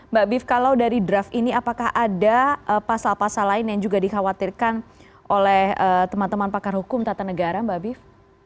mbak bif kalau dari draft ini apakah ada pasal pasal lain yang juga dikhawatirkan oleh teman teman pakar hukum tata negara mbak bif